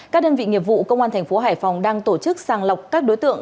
các đơn vị nghiệp vụ công an thành phố hải phòng đang tổ chức sàng lọc các đối tượng